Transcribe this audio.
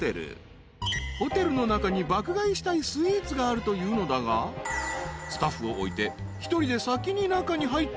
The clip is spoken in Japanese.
［ホテルの中に爆買いしたいスイーツがあるというのだがスタッフを置いて］